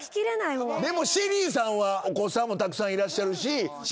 でもＳＨＥＬＬＹさんはお子さんもたくさんいらっしゃるし。